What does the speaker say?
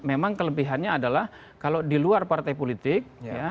memang kelebihannya adalah kalau di luar partai politik